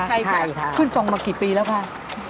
ใช่ค่ะขึ้นทรงมากี่ปีแล้วค่ะ